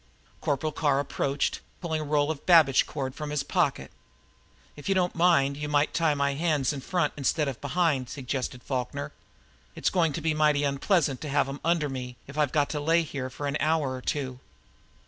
Corporal Carr approached, pulling a roll of babiche cord from his pocket. "If you don't mind you might tie my hands in front instead of behind," suggested Falkner. "It's goin' to be mighty unpleasant to have 'em under me, if I've got to lay here for an hour or two."